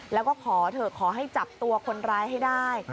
แล้วก็ขอเถอะขอให้จับตัวคนร้ายให้ได้